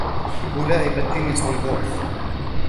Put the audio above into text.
أحب لعب التنس والغولف.